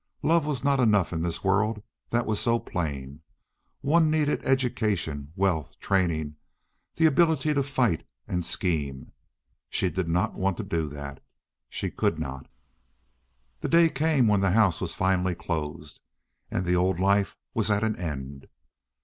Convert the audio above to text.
Love was not enough in this world—that was so plain. One needed education, wealth, training, the ability to fight and scheme, She did not want to do that. She could not. The day came when the house was finally closed and the old life was at an end.